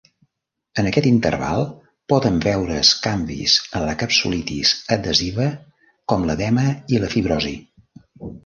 En aquest interval poden veure's canvis de la capsulitis adhesiva com l'edema i la fibrosi.